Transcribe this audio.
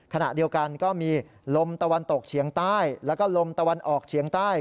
ขณะเดียวกันก็มีลมตะวันตกเฉียงใต้แล้วก็ลมตะวันออกเฉียงใต้